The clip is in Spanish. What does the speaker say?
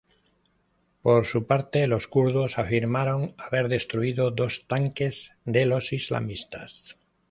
Por su parte, los kurdos afirmaron haber destruido dos tanques de los islamistas.